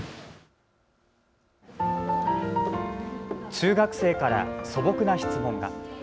中学生から素朴な質問が。